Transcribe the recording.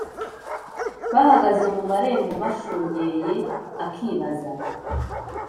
bahagaze mumarembo bashungeye akibaza